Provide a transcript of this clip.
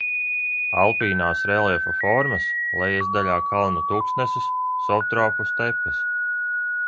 Alpīnās reljefa formas, lejasdaļā kalnu tuksnesis, subtropu stepes.